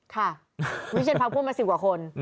วิเชียนพักพูดมา๑๐กว่าคน